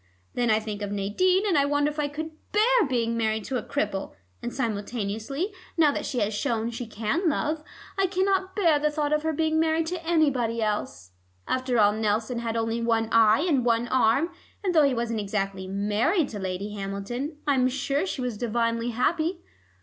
Then I think of Nadine, and wonder if I could bear being married to a cripple, and simultaneously, now that she has shown she can love, I cannot bear the thought of her being married to anybody else. After all Nelson had only one eye and one arm, and though he wasn't exactly married to Lady Hamilton, I'm sure she was divinely happy.